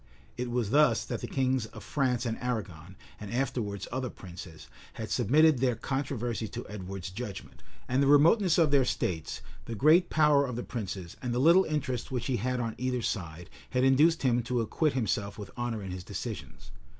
It was thus that the kings of France and Arragon, and afterwards other princes, had submitted their controversies to Edward's judgment; and the remoteness of their states, the great power of the princes, and the little interest which he had on either side, had induced him to acquit himself with honor in his decisions.